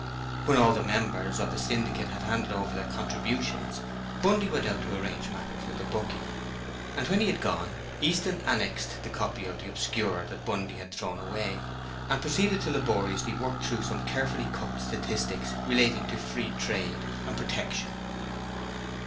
When all the members of the syndicate had handed over their contributions, Bundy went out to arrange matters with the bookie, and when he had gone Easton annexed the copy of the Obscurer that Bundy had thrown away, and proceeded to laboriously work through some carefully cooked statistics relating to Free Trade and Protection.